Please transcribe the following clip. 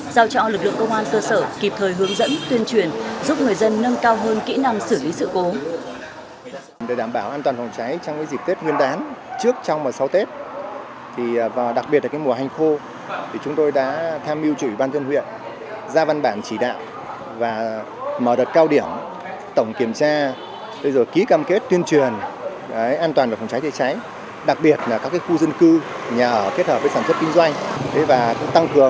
giao trọng lực lượng công an cơ sở kịp thời hướng dẫn tuyên truyền giúp người dân nâng cao hơn kỹ năng xử lý sự cố